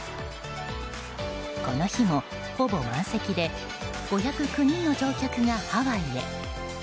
この日もほぼ満席で５０９人の乗客がハワイへ。